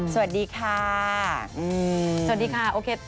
สวัสดีค่ะอืมโอเค